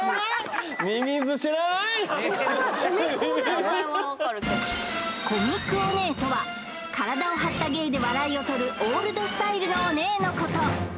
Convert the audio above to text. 名前はわかるけどコミックオネエとは体を張った芸で笑いを取るオールドスタイルのオネエのこと